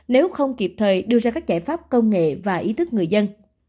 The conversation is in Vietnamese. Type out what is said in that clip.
nếu không kịp thời đưa ra các giải pháp công nghệ và ý thức người dân